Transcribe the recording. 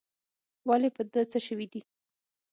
ولي په ده څه سوي دي؟